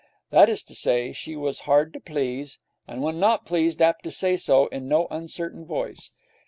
That is to say, she was hard to please, and, when not pleased, apt to say so in no uncertain voice.